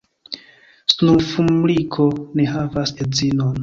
Snufmumriko ne havas edzinon.